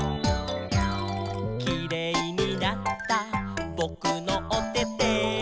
「キレイになったぼくのおてて」